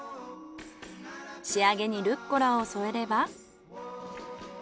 仕上げにルッコラを添えれば。